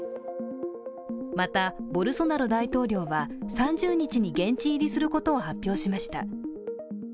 また、ボルソナロ大統領は３０日に現地入りすることを発表しました。